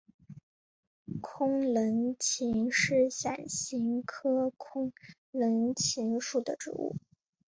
空棱芹是伞形科空棱芹属的植物。